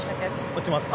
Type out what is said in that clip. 落ちます。